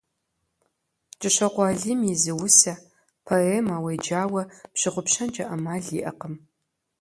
КӀыщокъуэ Алим и зы усэ, поэмэ уеджауэ пщыгъупщэнкӀэ Ӏэмал иӀэкъым.